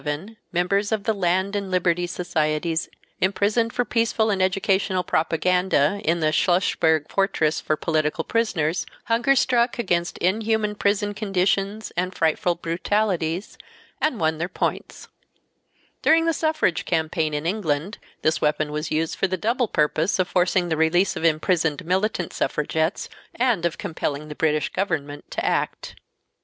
As early as 1877 members of the Land and Liberty Society imprisoned for peaceful and educational propaganda, in the Schlusselburg Fortress for political prisoners, hunger struck against inhuman prison conditions and frightful brutalities and won their points. See The Russian Bastille, Simon O. Pollock. During the suffrage campaign in England this weapon was used for the double purpose of forcing the release of imprisoned militant suffragettes, and of compelling the British government to act.